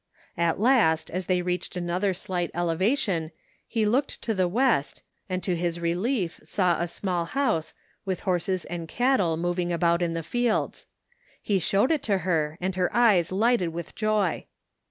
At last as they reached another slight elevation he looked to the west and to his relief saw a small house with horses and cattle moving about in the fields. He showed it to her and her eyes lighted with joy.